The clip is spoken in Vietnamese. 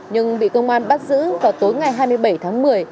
nhưng bị công an bắt giữ và tối ngày hai mươi bảy tháng năm